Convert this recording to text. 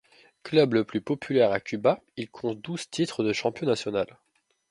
Club le plus populaire à Cuba, il compte douze titres de champion national.